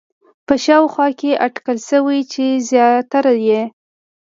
په شاوخوا کې اټکل شوی چې زیاتره یې